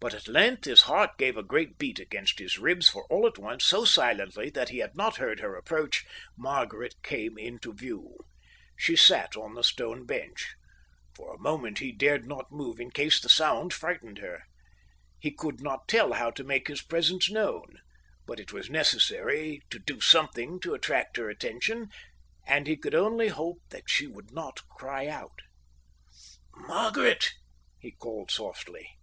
But at length his heart gave a great beat against his ribs, for all at once, so silently that he had not heard her approach, Margaret came into view. She sat on the stone bench. For a moment he dared not move in case the sound frightened her. He could not tell how to make his presence known. But it was necessary to do something to attract her attention, and he could only hope that she would not cry out. "Margaret," he called softly.